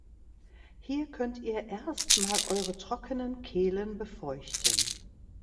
Hier könnt ihr erst mal eure trockenen Kehlen befeuchten.